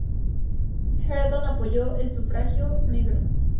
Herndon apoyó el sufragio negro.